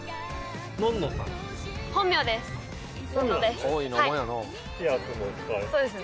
本名です。